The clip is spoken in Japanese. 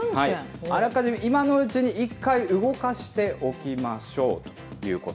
あらかじめ、今のうちに１回動かしておきましょうということ。